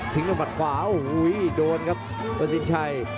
ถึงลงมาตรขวาอู้ยเราโดนครับวนซินชัย